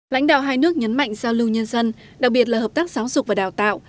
lãnh đạo hai nước nhấn mạnh giao lưu nhân dân đặc biệt là hợp tác giáo dục và đào tạo